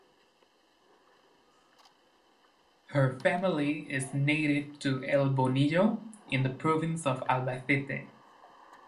Her family is native to El Bonillo, in the province of Albacete.